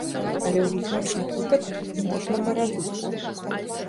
Але ў выключных выпадках можна бараду.